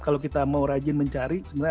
kalau kita mau rajin mencari sebenarnya